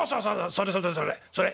それそれそれそれ。